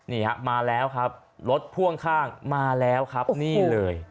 นี่ฮะมาแล้วครับรถพ่วงข้างมาแล้วครับนี่เลย